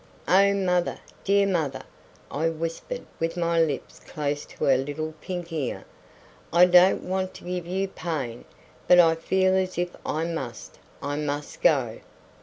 "Oh, mother! dear mother," I whispered, with my lips close to her little pink ear, "I don't want to give you pain, but I feel as if I must I must go."